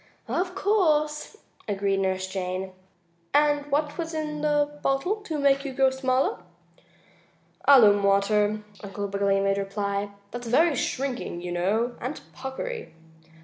"Of course," agreed Nurse Jane. "And what was in the bottle to make you grow smaller?" "Alum water," Uncle Wiggily made reply. "That's very shrinking, you know, and puckery."